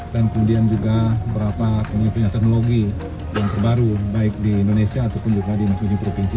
dan kemudian juga berapa punya teknologi yang terbaru baik di indonesia ataupun juga di nasional provinsi